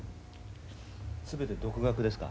全て独学ですか？